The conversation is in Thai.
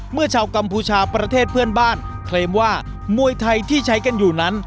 ชาวกัมพูชาประเทศเพื่อนบ้านเคลมว่ามวยไทยที่ใช้กันอยู่นั้น